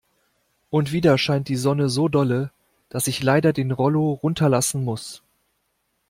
Und wieder scheint die Sonne so dolle, dass ich leider den Rollo hinunterlassen muss.